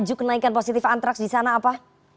untuk kenaikan positif antrax di sana apa